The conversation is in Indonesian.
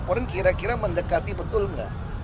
laporan kira kira mendekati betul nggak